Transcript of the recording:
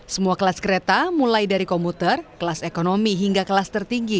semua kelas kereta mulai dari komuter kelas ekonomi hingga kelas tertinggi